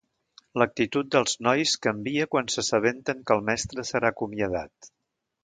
L'actitud dels nois canvia quan s'assabenten que el mestre serà acomiadat.